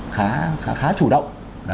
khá chủ động